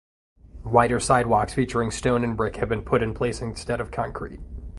Wider sidewalks featuring stone and brick have been put in place instead of concrete.